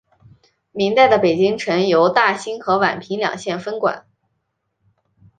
明代的北京城由大兴和宛平两县分管。